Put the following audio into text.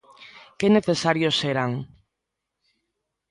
Que necesarios eran!